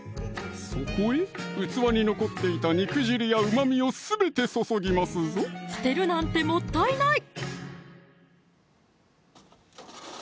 そこへ器に残っていた肉汁やうまみをすべて注ぎますぞ捨てるなんてもったいない